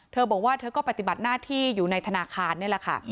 เธอบอกว่าเธอก็ปฏิบัติหน้าที่อยู่ในธนาคารนี่แหละค่ะ